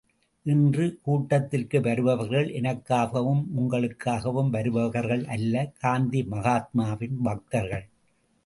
இன்று கூட்டத்திற்கு வருபவர்கள் எனக்காகவும், உங்களுக்காகவும் வருபவர்கள் அல்ல காந்தி மகாத்மாவின் பக்தர்கள்.